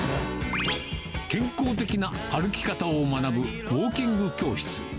健康的な歩き方を学ぶウォーキング教室。